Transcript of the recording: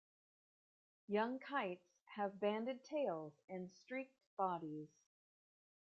Young kites have banded tails and streaked bodies.